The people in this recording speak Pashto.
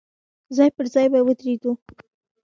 ځای پر ځای به ودرېدو.